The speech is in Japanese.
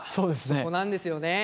そこなんですよね。